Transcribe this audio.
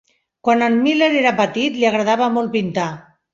Quan en Miler era petit, li agradava molt pintar.